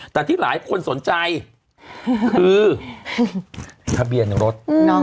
แต่ที่หลายคนสนใจคือทะเบียนรถ